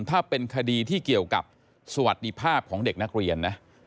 ถ้าเป็นคดีที่เกี่ยวกับสวัสดีภาพของเด็กนักเรียนนะ